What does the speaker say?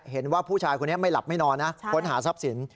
เห็นว่าผู้ชายคนนี้ไม่หลับไม่นอนนะค้นหาทรัพย์สิน